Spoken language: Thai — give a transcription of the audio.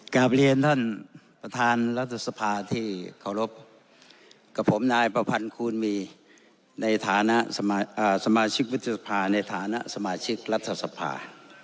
กลับเรียนท่านประธานรัฐสภาที่เคารพกับผมนายประพันธ์คูณมีในฐานะสมาชิกวุฒิสภาในฐานะสมาชิกรัฐสภา